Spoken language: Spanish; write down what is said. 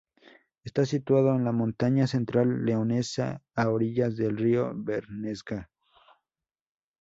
Está situado en la Montaña Central leonesa, a orillas del río Bernesga.